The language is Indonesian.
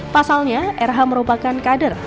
pasalnya rh merupakan kader